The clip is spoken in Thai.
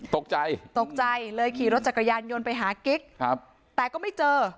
ตกใจตกใจเลยขี่รถจักรยานยนต์ไปหากิ๊กครับแต่ก็ไม่เจอ